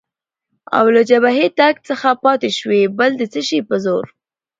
او له جبهې تګ څخه پاتې شوې، بل د څه شي په زور؟